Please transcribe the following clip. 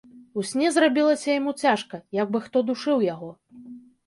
У сне зрабілася яму цяжка, як бы хто душыў яго.